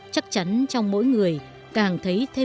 chắc chắn trong mỗi người càng thấy thêm yêu tổ quốc